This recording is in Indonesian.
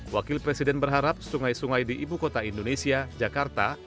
wakil presiden berharap sungai sungai di ibu kota indonesia jakarta